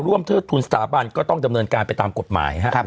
เทิดทุนสถาบันก็ต้องดำเนินการไปตามกฎหมายครับ